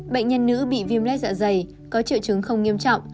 bệnh nhân nữ bị viêm lết dạ dày có triệu chứng không nghiêm trọng